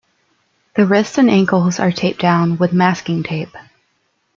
The wrists and ankles are taped down with masking tape.